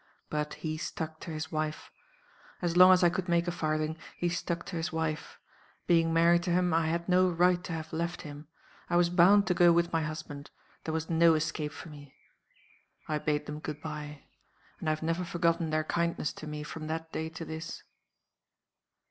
But he stuck to his wife. As long as I could make a farthing, he stuck to his wife. Being married to him, I had no right to have left him; I was bound to go with my husband; there was no escape for me. I bade them good by. And I have never forgotten their kindness to me from that day to this.